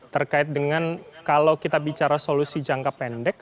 terkait dengan kalau kita bicara solusi jangka pendek